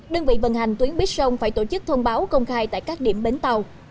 đơn vị vận hành tuyến bít sông phải tổ chức thông báo công khai tại các điểm bến tàu